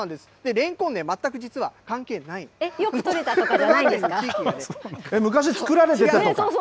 レンコンね、全く実は関係ないんよく取れたとかじゃないんで昔作られていた所とか？